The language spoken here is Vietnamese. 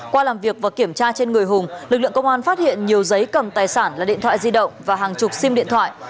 qua làm việc và kiểm tra trên người hùng lực lượng công an phát hiện nhiều giấy cầm tài sản là điện thoại di động và hàng chục sim điện thoại